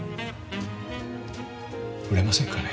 売れませんかね。